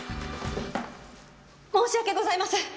申し訳ございません！